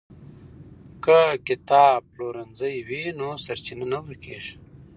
که کتابپلورنځی وي نو سرچینه نه ورکېږي.